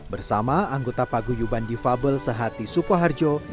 bersama anggota paguyuban difabel sehati sukoharjo